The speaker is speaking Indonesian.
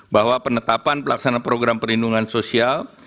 bahwa penetapan pelaksanaan program perlindungan sosial